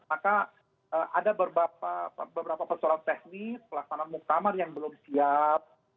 maka ada beberapa persoalan teknis pelaksanaan muktamar yang belum siap